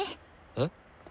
えっ？